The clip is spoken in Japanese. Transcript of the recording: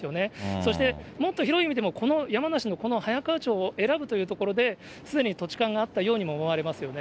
そして、もっと広い意味でも、この山梨のこの早川町を選ぶというところで、すでに土地勘があったようにも思われますよね。